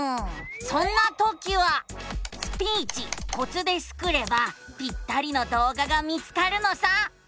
そんなときは「スピーチコツ」でスクればぴったりの動画が見つかるのさ。